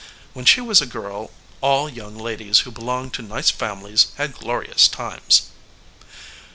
When she was a girl all young ladies who belonged to nice families had glorious times.